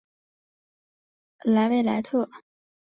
莱维莱特。